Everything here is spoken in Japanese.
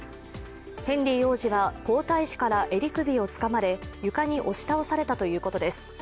ヘンリー王子は皇太子から襟首をつかまれ床に押し倒されたということです。